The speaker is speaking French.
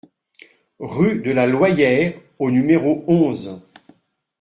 Rue de la Loyère au numéro onze